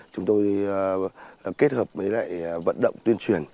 chúng tôi kết hợp với vận động tuyên truyền